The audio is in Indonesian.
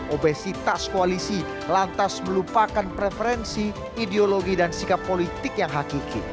obesitas koalisi lantas melupakan preferensi ideologi dan sikap politik yang hakiki